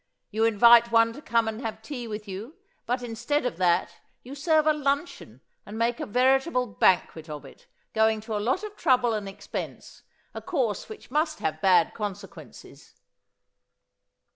You invite one to come and have tea with you but instead of that you serve a luncheon and make a veritable banquet of it, going to a lot of trouble and expense, a course which must have bad consequences."